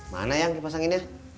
mana yang dipasangin ya